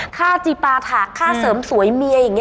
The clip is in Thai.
ค่าจีปาถาค่าเสริมสวยเมียอย่างนี้